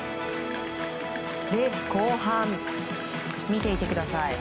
レース後半、見ていてください。